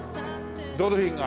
ドルフィンが。